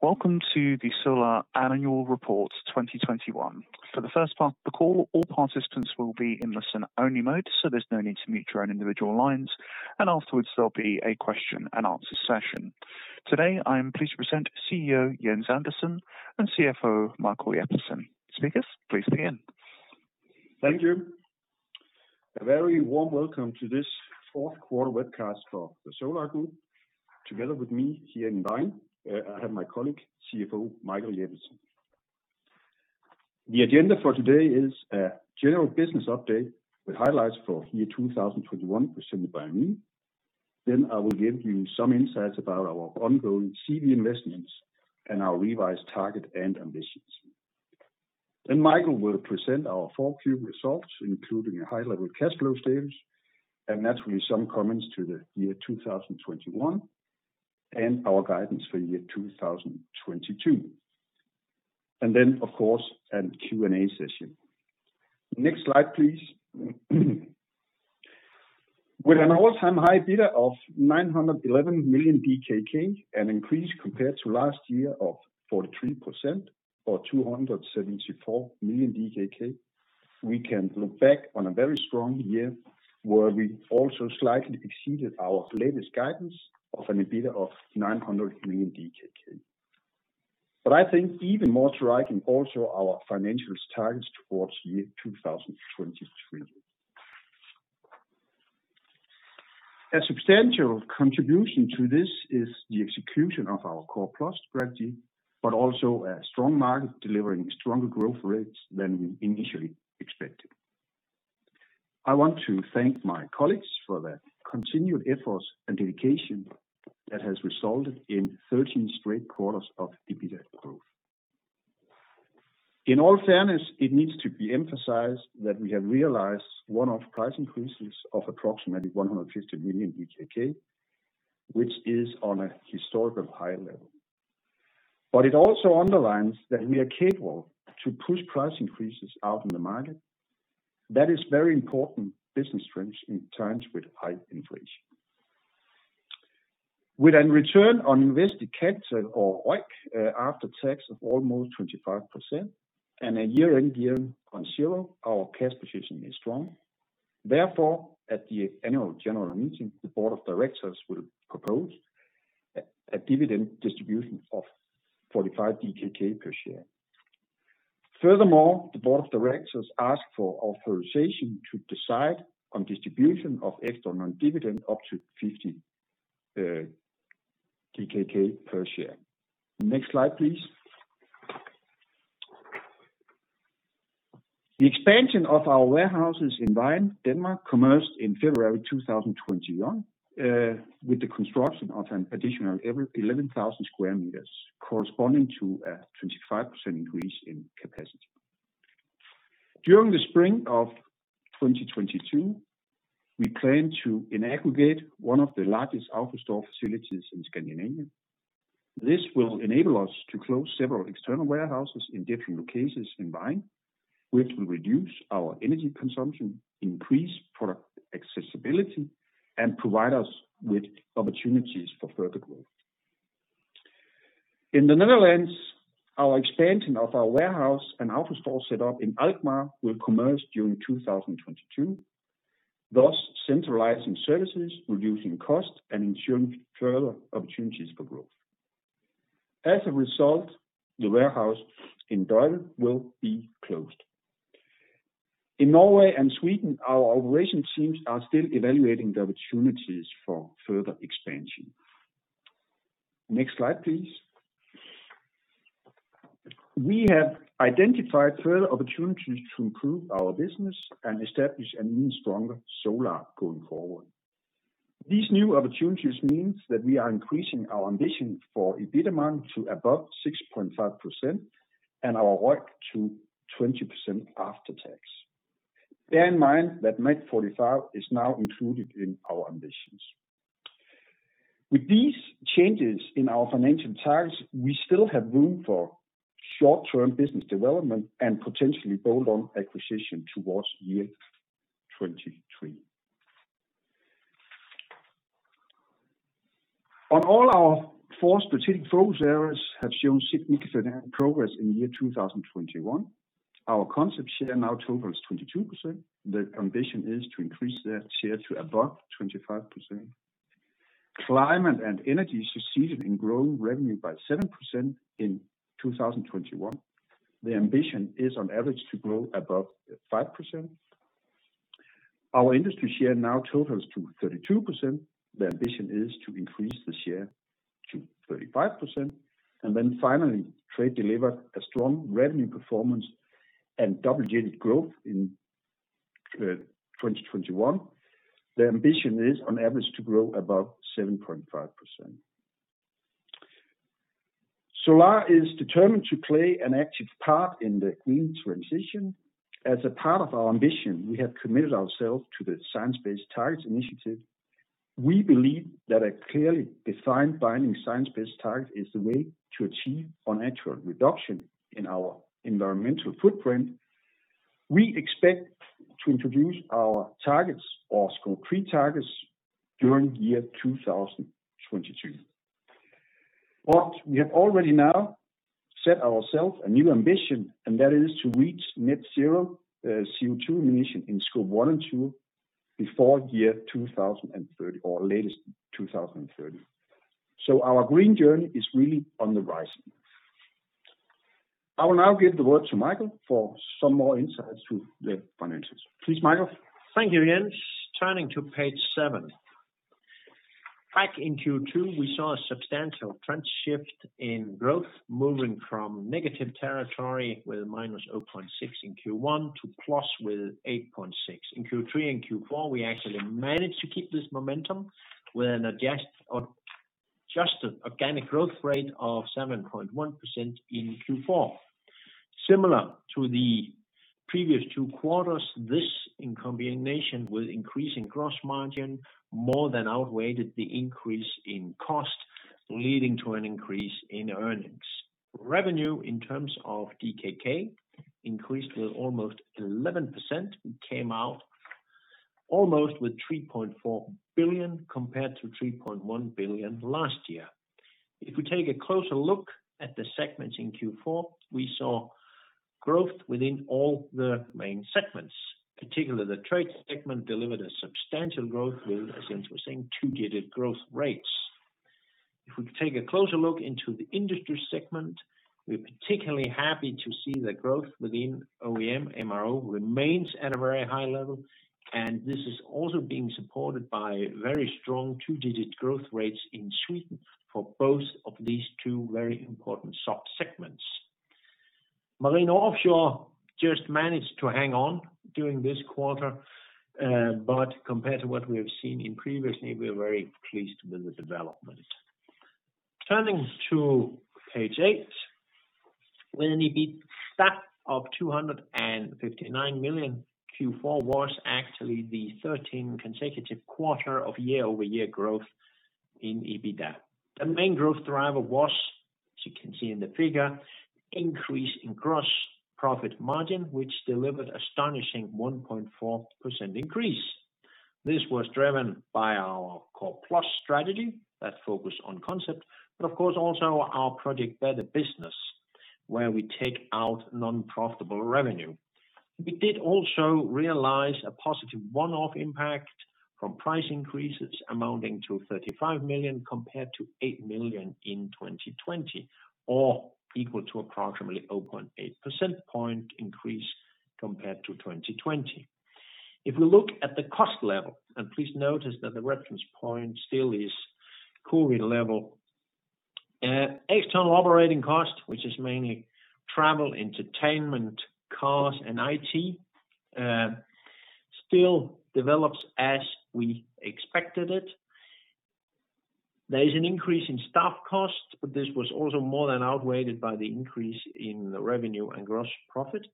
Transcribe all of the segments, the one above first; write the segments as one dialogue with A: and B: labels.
A: Welcome to the Solar Annual Report 2021. For the first part of the call, all participants will be in listen-only mode, so there's no need to mute your own individual lines. Afterwards, there'll be a question-and-answer session. Today, I am pleased to present CEO Jens Andersen and CFO Michael Jeppesen. Speakers, please begin.
B: Thank you. A very warm welcome to this fourth quarter webcast for the Solar Group. Together with me here in Vejen, I have my colleague, CFO Michael Jeppesen. The agenda for today is a general business update with highlights for year 2021 presented by me. I will give you some insights about our ongoing CapEx investments and our revised target and ambitions. Michael will present our Q4 results, including a high-level cash flow statement, and naturally, some comments to the year 2021 and our guidance for year 2022. Of course, a Q&A session. Next slide, please. With an all-time high EBITDA of 911 million, an increase compared to last year of 43% or 274 million, we can look back on a very strong year where we also slightly exceeded our latest guidance of an EBITDA of 900 million DKK. I think even more striking also our financial targets towards year 2023. A substantial contribution to this is the execution of our Core+ strategy, but also a strong market delivering stronger growth rates than we initially expected. I want to thank my colleagues for their continued efforts and dedication that has resulted in 13 straight quarters of EBITDA growth. In all fairness, it needs to be emphasized that we have realized one-off price increases of approximately 150 million, which is on a historical high level. It also underlines that we are capable to push price increases out in the market. That is very important business trends in times with high inflation. With a return on invested capital or ROIC after tax of almost 25% and a year-end gearing of zero, our cash position is strong. Therefore, at the annual general meeting, the board of directors will propose a dividend distribution of 45 DKK per share. Furthermore, the board of directors ask for authorization to decide on distribution of extraordinary dividend up to 50 per share. Next slide, please. The expansion of our warehouses in Vejen, Denmark, commenced in February 2021 with the construction of an additional 11,000 sq m corresponding to a 25% increase in capacity. During the spring of 2022, we plan to implement one of the largest AutoStore facilities in Scandinavia. This will enable us to close several external warehouses in different locations in Vejen, which will reduce our energy consumption, increase product accessibility, and provide us with opportunities for further growth. In the Netherlands, our expansion of our warehouse and AutoStore setup in Alkmaar will commence during 2022, thus centralizing services, reducing costs, and ensuring further opportunities for growth. As a result, the warehouse in Duiven will be closed. In Norway and Sweden, our operations teams are still evaluating the opportunities for further expansion. Next slide, please. We have identified further opportunities to improve our business and establish an even stronger Solar going forward. These new opportunities means that we are increasing our ambition for EBITDA margin to above 6.5% and our ROIC to 20% after tax. Bear in mind that Net45 is now included in our ambitions. With these changes in our financial targets, we still have room for short-term business development and potentially bolt-on acquisition towards year 2023. In all our four strategic focus areas have shown significant progress in year 2021. Our concept share now totals 22%. The ambition is to increase that share to above 25%. Climate and energy succeeded in growing revenue by 7% in 2021. The ambition is on average to grow above five percent. Our industry share now totals to 32%. The ambition is to increase the share to 35%. Finally, trade delivered a strong revenue performance and double-digit growth in 2021. The ambition is on average to grow above 7.5%. Solar is determined to play an active part in the green transition. As a part of our ambition, we have committed ourselves to the Science Based Targets initiative. We believe that a clearly defined binding science-based target is the way to achieve financial reduction in our environmental footprint. We expect to introduce our targets or concrete targets during 2022. We have already now set ourselves a new ambition, and that is to reach net zero CO2 emission in Scope 1 and 2 before 2030 or at the latest 2030. Our green journey is really on the rise. I will now give the word to Michael for some more insights into the financials. Please, Michael.
C: Thank you, Jens. Turning to Page seven. Back in Q2, we saw a substantial trend shift in growth, moving from negative territory with -0.6% in Q1 to +8.6%. In Q3 and Q4, we actually managed to keep this momentum with an adjusted organic growth rate of 7.1% in Q4. Similar to the previous two quarters, this in combination with increasing gross margin more than outweighed the increase in cost, leading to an increase in earnings. Revenue in terms of DKK increased with almost 11%, and came out almost with 3.4 billion compared to 3.1 billion last year. If we take a closer look at the segments in Q4, we saw growth within all the main segments. Particularly, the trade segment delivered a substantial growth with, as Jens was saying, two-digit growth rates. If we take a closer look into the industry segment, we're particularly happy to see the growth within OEM/MRO remains at a very high level, and this is also being supported by very strong two-digit growth rates in Sweden for both of these two very important sub-segments. Marine & Offshore just managed to hang on during this quarter, but compared to what we have seen in previously, we are very pleased with the development. Turning to Page eight. With an EBITDA of 259 million, Q4 was actually the 13 consecutive quarter of year-over-year growth in EBITDA. The main growth driver was, as you can see in the figure, increase in gross profit margin, which delivered astonishing 1.4% increase. This was driven by our Core+ strategy that focus on concept, but of course also our Project Better Business, where we take out non-profitable revenue. We did also realize a positive one-off impact from price increases amounting to 35 million compared to 8 million in 2020 or equal to approximately 0.8 percentage point increase compared to 2020. If we look at the cost level, please notice that the reference point still is COVID level. External operating cost, which is mainly travel, entertainment, cars, and IT, still develops as we expected it. There is an increase in staff costs, but this was also more than outweighed by the increase in the revenue and gross profit.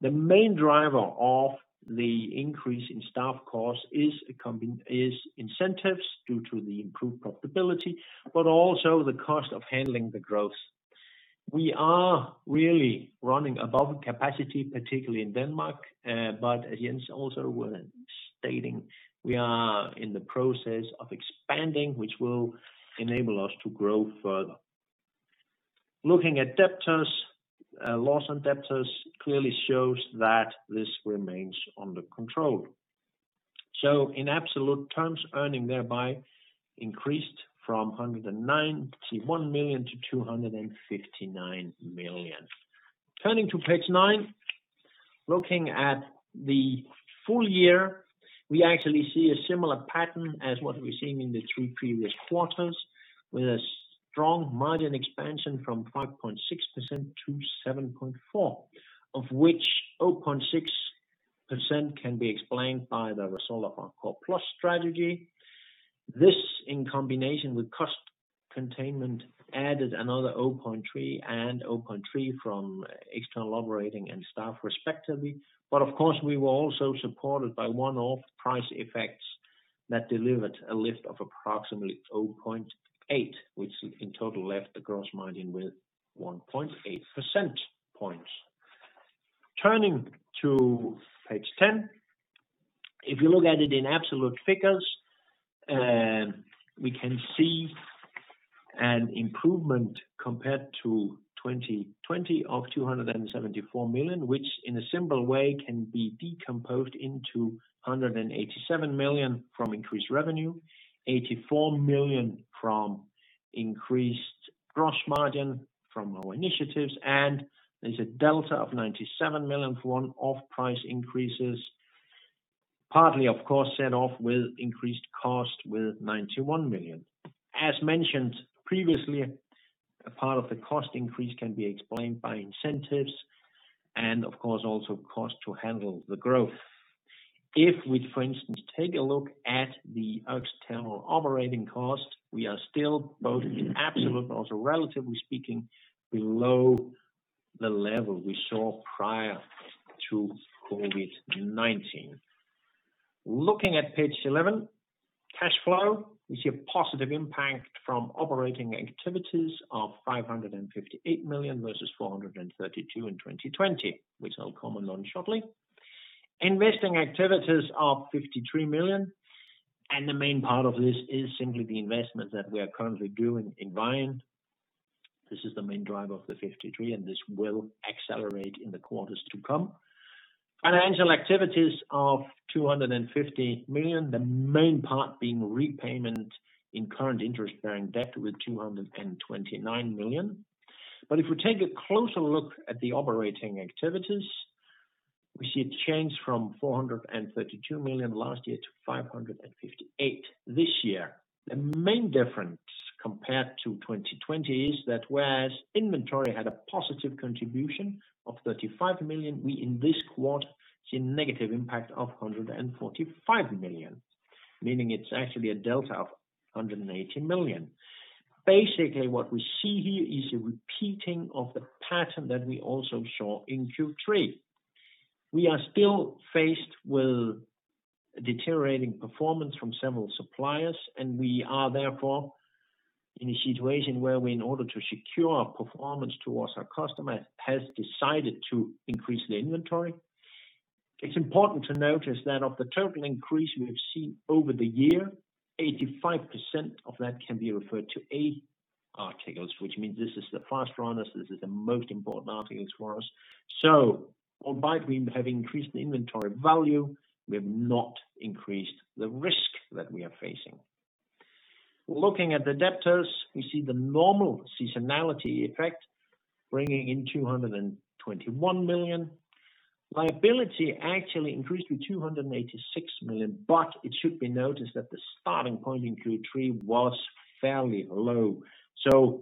C: The main driver of the increase in staff costs is incentives due to the improved profitability, but also the cost of handling the growth. We are really running above capacity, particularly in Denmark, but as Jens also was stating, we are in the process of expanding, which will enable us to grow further. Looking at debtors, loss on debtors clearly shows that this remains under control. In absolute terms, earnings thereby increased from 191 million-259 million. Turning to Page nine. Looking at the full year, we actually see a similar pattern as what we've seen in the three previous quarters, with a strong margin expansion from 5.6%-7.4%, of which 0.6% can be explained by the result of our Core+ strategy. This in combination with cost containment added another 0.3% and 0.3% from external operating and staff respectively. Of course, we were also supported by one-off price effects that delivered a lift of approximately 0.8%, which in total left the gross margin with 1.8 percentage points. Turning to page ten. If you look at it in absolute figures, we can see an improvement compared to 2020 of 274 million, which in a simple way can be decomposed into 187 million from increased revenue, 84 million from increased gross margin from our initiatives, and there's a delta of 97 million for one-off price increases, partly of course, set off with increased cost with 91 million. As mentioned previously, a part of the cost increase can be explained by incentives and of course, also cost to handle the growth. If we, for instance, take a look at the external operating cost, we are still both in absolute, also relatively speaking, below the level we saw prior to COVID-19. Looking at Page 11, cash flow. We see a positive impact from operating activities of 558 million versus 432 million in 2020, which I'll comment on shortly. Investing activities are 53 million, and the main part of this is simply the investment that we are currently doing in Vejen. This is the main driver of the 53 million, and this will accelerate in the quarters to come. Financial activities of 250 million, the main part being repayment of current interest-bearing debt with 229 million. If we take a closer look at the operating activities, we see a change from 432 million last year to 558 million this year. The main difference compared to 2020 is that whereas inventory had a positive contribution of 35 million, we in this Q4 see a negative impact of 145 million, meaning it's actually a delta of 180 million. Basically, what we see here is a repeating of the pattern that we also saw in Q3. We are still faced with deteriorating performance from several suppliers, and we are therefore in a situation where we, in order to secure our performance towards our customer, has decided to increase the inventory. It's important to notice that of the total increase we have seen over the year, 85% of that can be referred to A articles, which means this is the fast runners, this is the most important articles for us. Albeit we have increased the inventory value, we have not increased the risk that we are facing. Looking at the debtors, we see the normal seasonality effect, bringing in 221 million. Liability actually increased to 286 million, but it should be noticed that the starting point in Q3 was fairly low.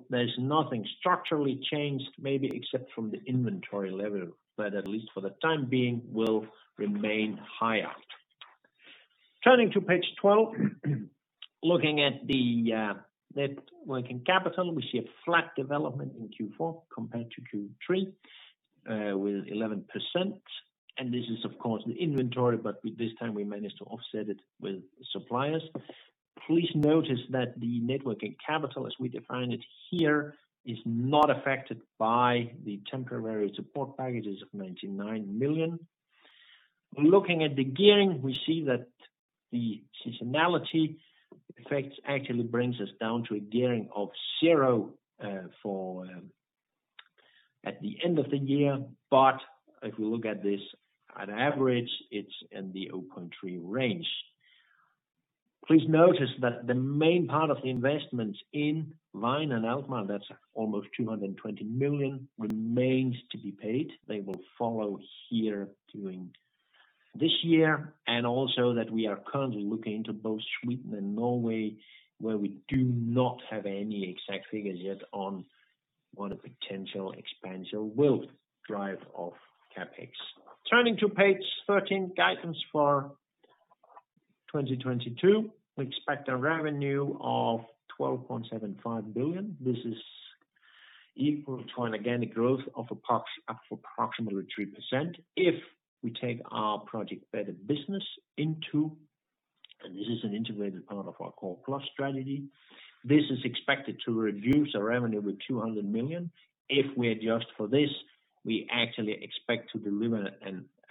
C: There's nothing structurally changed, maybe except from the inventory level, but at least for the time being will remain higher. Turning to Page 12. Looking at the net working capital, we see a flat development in Q4 compared to Q3 with 11%. This is, of course, the inventory, but with this time we managed to offset it with suppliers. Please notice that the net working capital, as we define it here, is not affected by the temporary support packages of 99 million. Looking at the gearing, we see that the seasonality effects actually brings us down to a gearing of zero at the end of the year. If we look at this at average, it's in the low twenty range. Please notice that the main part of the investment in Vejen and Alkmaar, that's almost 220 million, remains to be paid. They will follow here during this year, and also that we are currently looking into both Sweden and Norway, where we do not have any exact figures yet on what a potential expansion will drive of CapEx. Turning to Page 13, guidance for 2022. We expect a revenue of 12.75 billion. This is equal to an organic growth of up to approximately 3% if we take our Project Better Business into account. This is an integrated part of our Core+ strategy. This is expected to reduce our revenue with 200 million. If we adjust for this, we actually expect to deliver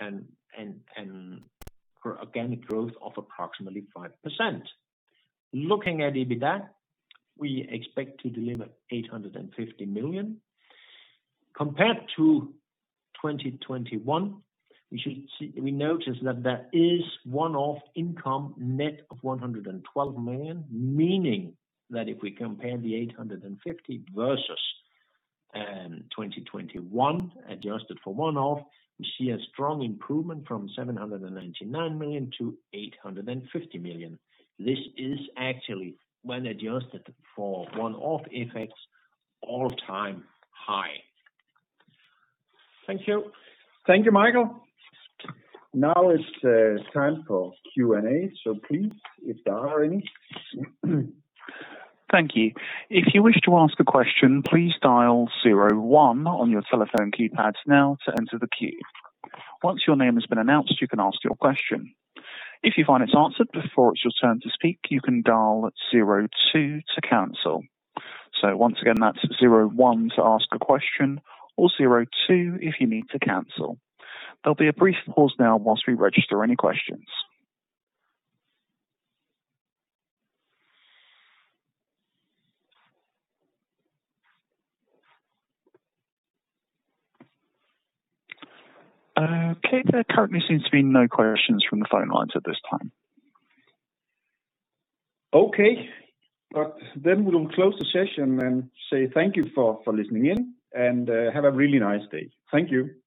C: an organic growth of approximately 5%. Looking at EBITDA, we expect to deliver 850 million. Compared to 2021, we notice that there is one-off income net of 112 million, meaning that if we compare the 850 million versus 2021 adjusted for one-off, we see a strong improvement from 799 million-850 million. This is actually when adjusted for one-off effects all-time high. Thank you.
B: Thank you, Michael. Now it's time for Q&A, so please if there are any.
A: Thank you. If you wish to ask a question, please dial zero one on your telephone keypads now to enter the queue. Once your name has been announced, you can ask your question. If you find it's answered before it's your turn to speak, you can dial zero two to cancel. Once again, that's zero one to ask a question or zero two if you need to cancel. There'll be a brief pause now while we register any questions. Jens, there currently seems to be no questions from the phone lines at this time.
B: Okay. We will close the session and say thank you for listening in and have a really nice day. Thank you.